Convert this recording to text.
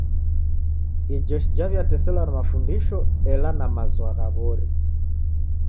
Ijeshi jaw'iateselwa na mafundisho ela na mazwagha w'ori.